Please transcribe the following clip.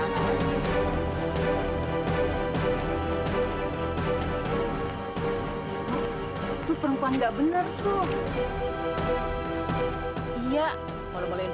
tidak ada yang bisa dianggap